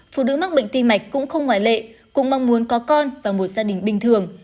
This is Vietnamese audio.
phụ nữ mắc bệnh tim mạch cũng không ngoại lệ cũng mong muốn có con và một gia đình bình thường